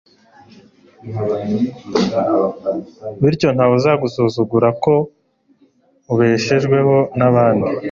bityo nta we uzagusuzugura ko ubeshejweho n'abandi